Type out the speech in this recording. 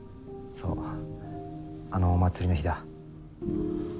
そうあのお祭りの日だ。